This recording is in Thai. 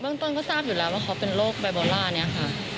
ต้นก็ทราบอยู่แล้วว่าเขาเป็นโรคไบโบล่านี้ค่ะ